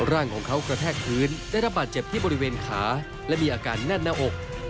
ร่างของเขากระแทกพื้นได้รับบาดเจ็บที่บริเวณขาและมีอาการแน่นหน้าอก